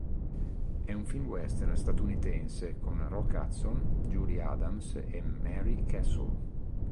È un film western statunitense con Rock Hudson, Julie Adams e Mary Castle.